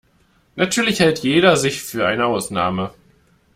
Natürlich hält jeder sich für eine Ausnahme.